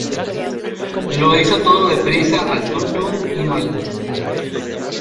Lo hizo todo deprisa, al tuntún y mal